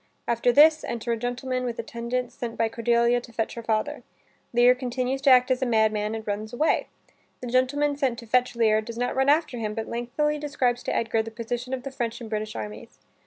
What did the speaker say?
After this, enter a gentleman with attendants sent by Cordelia to fetch her father. Lear continues to act as a madman and runs away. The gentleman sent to fetch Lear, does not run after him, but lengthily describes to Edgar the position of the French and British armies.